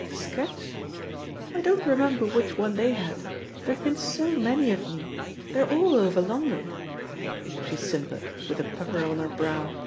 .•. Sketch? I don't remember which one the j had. There have been so many of me; they're all over London." She simpered, with a pucker on her brow.